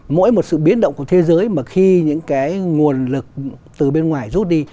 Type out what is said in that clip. mỗi một sự biến động của thế giới mà khi những cái nguồn lực từ bên ngoài rút đi